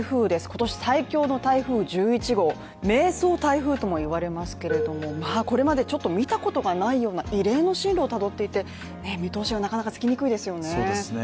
今年最強の台風１１号迷走台風ともいわれますけれどもこれまで見たことがないような異例の進路をたどっていて見通しがなかなかつきにくいですよね。